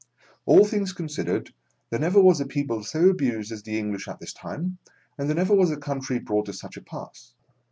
All things considered, there never was a people so abused as the English at this time, and there never was a country brought to such a pass.